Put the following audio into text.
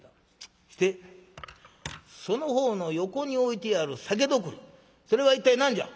してその方の横に置いてある酒徳利それは一体何じゃ？」。